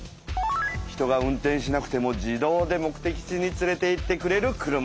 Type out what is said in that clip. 人が運転しなくても自動で目的地につれていってくれる車。